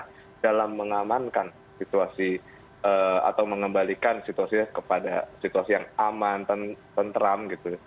adalah dalam mengamankan situasi atau mengembalikan situasi kepada situasi yang aman tenteram